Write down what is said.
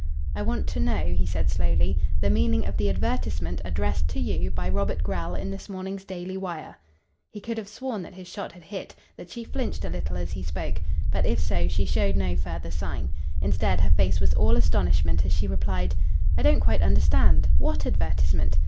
"I want to know," he said slowly, "the meaning of the advertisement addressed to you by Robert Grell in this morning's Daily Wire." He could have sworn that his shot had hit, that she flinched a little as he spoke. But if so she showed no further sign. Instead, her face was all astonishment as she replied "I don't quite understand. What advertisement?